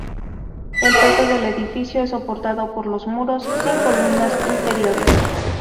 El peso del edificio es soportado por los muros, sin columnas interiores.